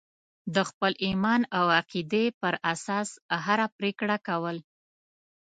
د خپل ایمان او عقیدې پر اساس هره پرېکړه کول.